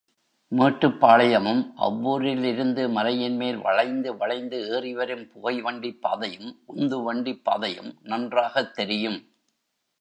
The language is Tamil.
மேட்டுப்பாளையமும், அவ்வூரிலிருந்து மலையின்மேல் வளைந்து வளைந்து ஏறிவரும் புகைவண்டிப் பாதையும், உந்துவண்டிப் பாதையும் நன்றாகத் தெரியும்.